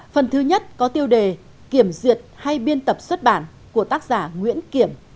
phần thứ nhất có tiêu đề kiểm duyệt hay biên tập xuất bản của tác giả nguyễn kiểm